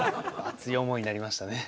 熱い思いになりましたね。